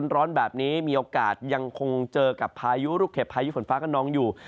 ร้อนแบบนี้มีโอกาสยังคงเจอกับพายุลูกเห็บพายุฝนฟ้ากระนองอยู่